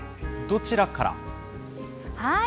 どちらから？